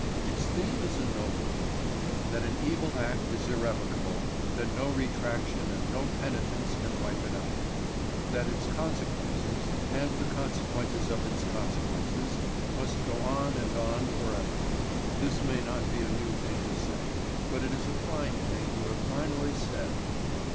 Its theme is a noble one. That an evil act is irrevocable, that no retraction and no penitence can wipe it out; that its consequences, and the consequences of its consequences, must go on and on for ever this may not be a new thing to say, but it is a fine thing to have finely said.